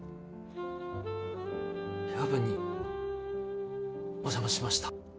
夜分にお邪魔しました。